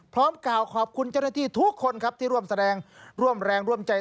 พร้อมกล่าวขอบคุณเจ้าหน้าที่ทุกคนที่ร่วมแรงร่วมใจ